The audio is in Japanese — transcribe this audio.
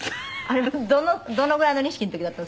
どのぐらいの錦の時だったんですか？